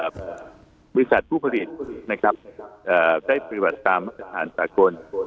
บริษัทผู้ผลิตได้ปริบัติตามมาตรฐานสาคม